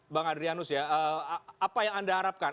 bang adrianus ya apa yang anda harapkan